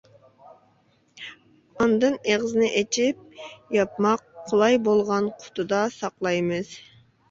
ئاندىن ئېغىزىنى ئېچىپ ياپماق قولاي بولغان قۇتىدا ساقلايمىز.